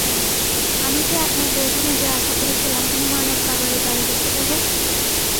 আমিই কি একমাত্র এখানে যে আশা করেছিলাম কোন মাদক কারবারির বাড়ি দেখতে পাবো?